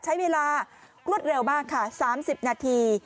ใช้เวลารวดเร็วมากค่ะ๓๐นาที